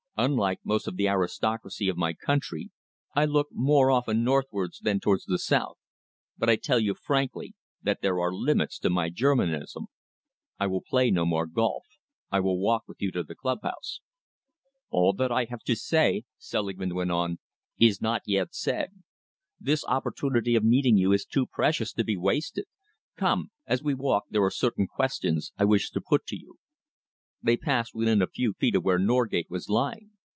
Unlike most of the aristocracy of my country, I look more often northwards than towards the south. But I tell you frankly that there are limits to my Germanism. I will play no more golf. I will walk with you to the club house." "All that I have to say," Selingman went on, "is not yet said. This opportunity of meeting you is too precious to be wasted. Come. As we walk there are certain questions I wish to put to you." They passed within a few feet of where Norgate was lying.